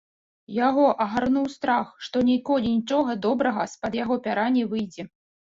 Яго агарнуў страх, што ніколі нічога добрага з-пад яго пяра не выйдзе.